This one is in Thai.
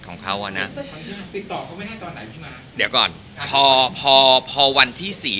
ของเขาอ่ะนะติดต่อเขาไม่ได้ตอนไหนพี่ม้าเดี๋ยวก่อนพอพอพอวันที่สี่